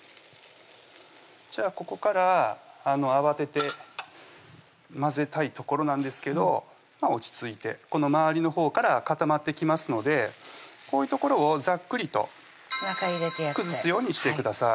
じゃあここから慌てて混ぜたいところなんですけどまぁ落ち着いて周りのほうから固まってきますのでこういうところをざっくりと崩すようにしてください